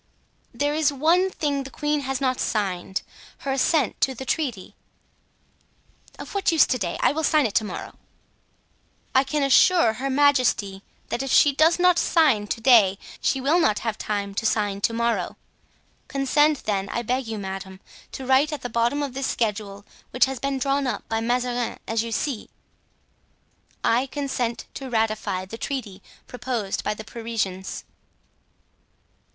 "There is one thing the queen has not signed—her assent to the treaty." "Of what use to day? I will sign it to morrow." "I can assure her majesty that if she does not sign to day she will not have time to sign to morrow. Consent, then, I beg you, madame, to write at the bottom of this schedule, which has been drawn up by Mazarin, as you see: "'I consent to ratify the treaty proposed by the Parisians.